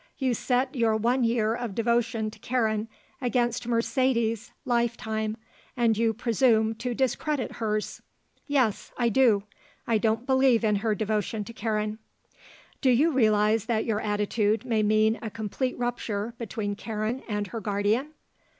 "You set your one year of devotion to Karen against Mercedes's life time, and you presume to discredit hers." "Yes. I do. I don't believe in her devotion to Karen." "Do you realize that your attitude may mean a complete rupture between Karen and her guardian?"